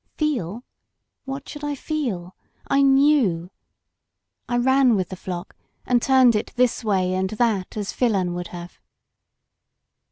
Feel? What should I feel? I knew. I ran with the flock and ttimed it this way and that as Filon would have.